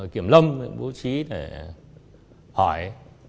kiểm lâm bố trí để hỏi